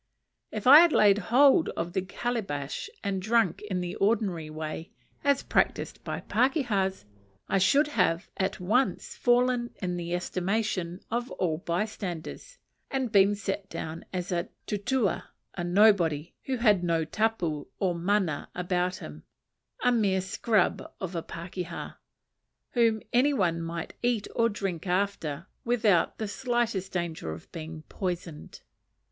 If I had laid hold of the calabash and drunk in the ordinary way, as practised by pakehas, I should have at once fallen in the estimation of all by standers, and been set down as a tutua, a nobody, who had no tapu or mana about him a mere scrub of a pakeha, whom any one might eat or drink after without the slightest danger of being poisoned.